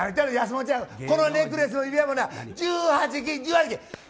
このネックレスも指輪もな１８金！